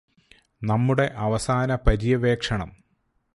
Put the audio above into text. നമ്മുടെ അവസാന പര്യവേക്ഷണം